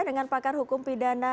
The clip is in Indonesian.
dengan pakar hukum pidana